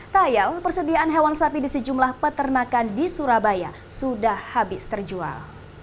tayal persediaan hewan sapi di sejumlah peternakan di surabaya sudah habis terjual